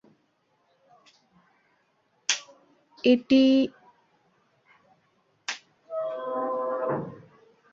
এটি একটি ভৌতিক চলচ্চিত্র।